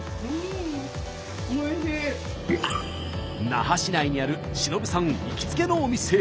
那覇市内にある忍さん行きつけのお店へ。